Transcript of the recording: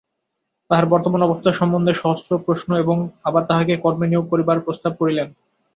তাহার বর্তমান অবস্থা সম্বন্ধে সহস্র প্রশ্ন এবং আবার তাহাকে কর্মে নিয়োগ করিবার প্রস্তাব করিলেন।